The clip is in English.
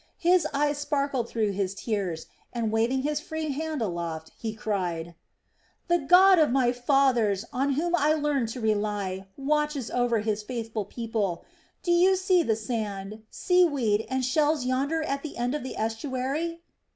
His eyes sparkled through his tears, and waving his free arm aloft, he cried: "The God of my fathers, on whom I learned to rely, watches over His faithful people. Do you see the sand, sea weed, and shells yonder at the end of the estuary?